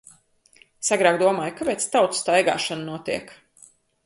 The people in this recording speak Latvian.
Es agrāk domāju - kāpēc tautu staigāšana notiek.